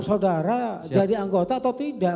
saudara jadi anggota atau tidak